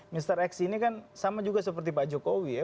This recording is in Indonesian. mr x ini kan sama juga seperti pak jokowi ya